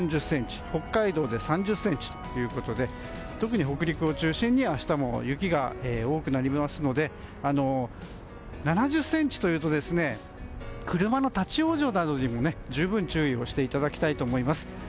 北海道で３０ｃｍということで特に北陸を中心に明日も雪が多くなりますので７０ｃｍというと車の立ち往生などにも十分注意していただきたいと思います。